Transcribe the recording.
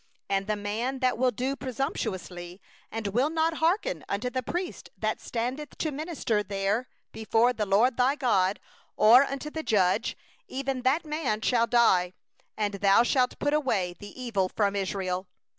12And the man 17 that doeth presumptuously, in not hearkening unto the priest that standeth to minister there before the LORD thy God, or unto the judge, even that man shall die; and thou shalt exterminate the evil from Israel.